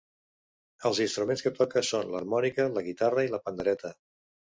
Els instruments que toca són l"harmònica, la guitarra i la pandereta.